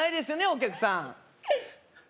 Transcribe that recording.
お客さん